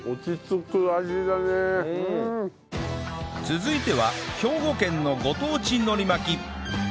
続いては兵庫県のご当地海苔巻き